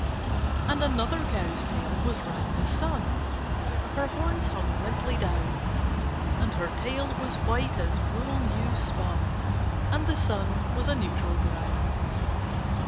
And another cow's tail was round the sun (Her horns hung limply down); And her tail was white as wool new spun, And the sun was a neutral brown.